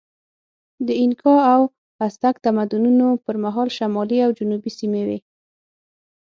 د اینکا او ازتک تمدنونو پر مهال شمالي او جنوبي سیمې وې.